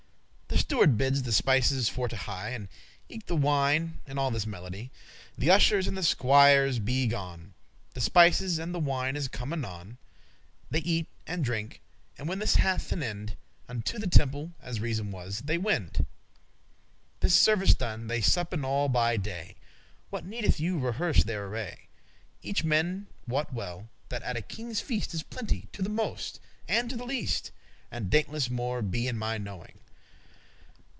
The steward bids the spices for to hie* *haste And eke the wine, in all this melody; The ushers and the squiers be y gone, The spices and the wine is come anon; They eat and drink, and when this hath an end, Unto the temple, as reason was, they wend; The service done, they suppen all by day What needeth you rehearse their array? Each man wot well, that at a kinge's feast Is plenty, to the most*, and to the least, *highest And dainties more than be in my knowing.